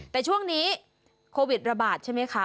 แต่ช่วงนี้โควิดระบาดใช่ไหมคะ